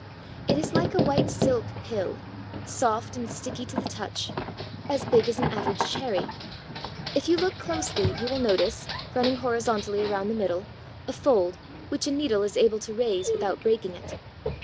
It is like a white silk pill, soft and sticky to the touch, as big as an average cherry. If you look closely, you will notice, running horizontally around the middle, a fold which a needle is able to raise without breaking it.